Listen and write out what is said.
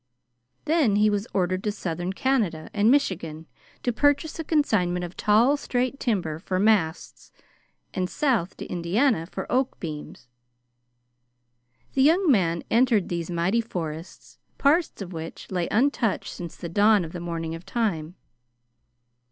Then he was ordered to southern Canada and Michigan to purchase a consignment of tall, straight timber for masts, and south to Indiana for oak beams. The young man entered these mighty forests, parts of which lay untouched since the dawn of the morning of time.